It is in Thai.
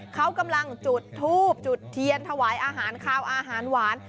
เขากำลังจุดทูบจุดเทียนถวายอาหารคาวอาหารหวาน